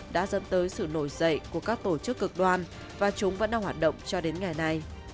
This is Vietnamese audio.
đã dẫn tới sự nổi dậy của các tổ chức cực đoan và chúng vẫn đang hoạt động cho đến ngày nay